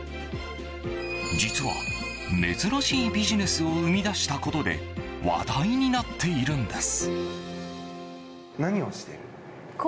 実は珍しいビジネスを生み出したことで話題になっているんです。